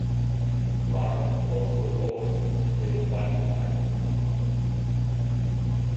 Clark also owned the "Butte Miner".